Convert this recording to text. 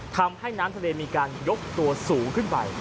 ทำให้น้ำทะเลมีการยกตัวสูงขึ้นไป